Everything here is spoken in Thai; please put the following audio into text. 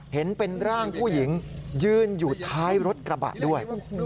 เห็นเป็นร่างผู้หญิงยืนอยู่ท้ายรถกระบะด้วย